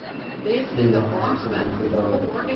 Please আমাকে একটু ধরতে দাও, অর্জুন।